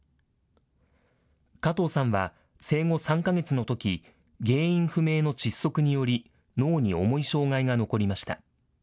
加藤さんは生後３か月のとき、原因不明の窒息により、脳に重い障害が残りました。